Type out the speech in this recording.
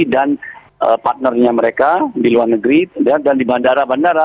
dan partnernya mereka di luar negeri dan di bandara bandara